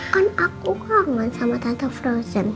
kan aku kangen sama tante frozen